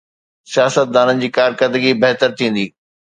سياستدانن جي ڪارڪردگي بهتر ٿيندي.